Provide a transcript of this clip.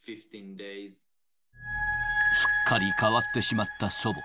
すっかり変わってしまった祖母。